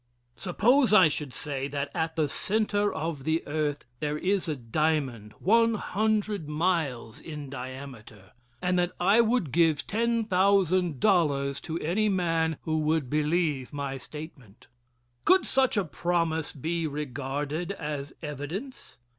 Suppose I should say that at the center of the earth there is a diamond one hundred miles in diameter, and that I would give ten thousand dollars to any man who would believe my statement. Could such a promise be regarded as evidence?